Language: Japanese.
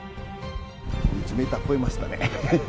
１メーター超えましたね。